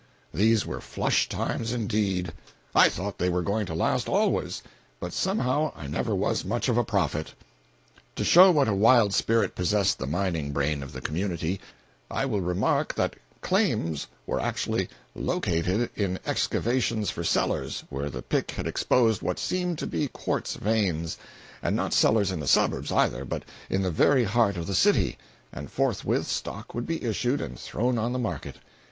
These were "flush times" indeed! I thought they were going to last always, but somehow I never was much of a prophet. To show what a wild spirit possessed the mining brain of the community, I will remark that "claims" were actually "located" in excavations for cellars, where the pick had exposed what seemed to be quartz veins—and not cellars in the suburbs, either, but in the very heart of the city; and forthwith stock would be issued and thrown on the market.